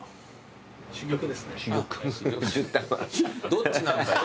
どっちなんだよ。